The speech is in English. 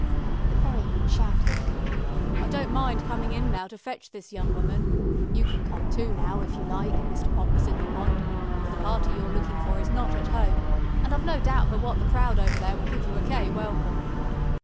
The ferryman shouted: "I don't mind coming in now to fetch this young woman. You can come too now if you like, Mr. Pompous in the Pond, for the party you're looking for is not at home, and I've no doubt but what that crowd over there will give you a gay welcome."